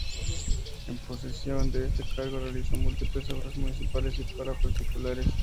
En posesión de este cargo realizó múltiples obras municipales y para particulares.